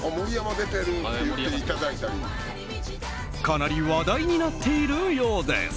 かなり話題になっているようです。